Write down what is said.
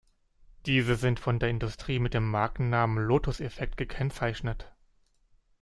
Diese sind von der Industrie mit dem Markennamen "Lotus-Effekt" gekennzeichnet.